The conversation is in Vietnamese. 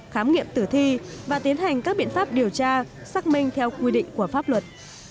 khám nghiệm tử thi và tiến hành các biện pháp điều tra xác minh theo quy định của pháp luật